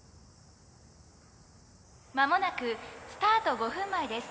「間もなくスタート５分前です。